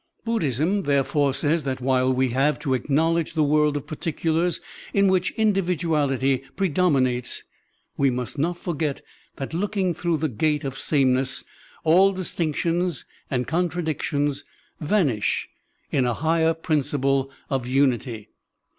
"' Buddhism, therefore, says that while we have to acknowledge the world of partictdars in which individuality predominates, we must not forget that looking through the gate of sameness all Digitized by Google 28 SERMONS OP A BUDDHIST ABBOT distinctions and contradictions vanish in a higher principle of unity.